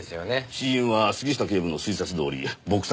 死因は杉下警部の推察どおり撲殺でした。